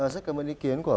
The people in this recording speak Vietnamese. rất cảm ơn ý kiến của